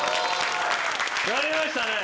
やりましたね。